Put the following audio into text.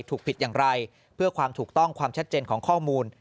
ถูกผิดอย่างไรเพื่อความถูกต้องความชัดเจนของข้อมูล